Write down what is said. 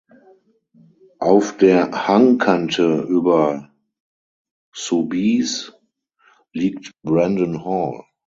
Auf der Hangkante über Soubise liegt Brandon Hall.